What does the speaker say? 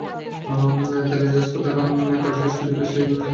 তেলে তেজপাতা, কাজু-কিশমিশের পেস্ট দিয়ে একটু নেড়ে ম্যারিনেট করা মাংস দিয়ে কষান।